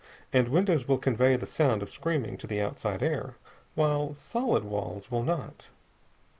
And windows will convey the sound of screaming to the outside air, while solid walls will not.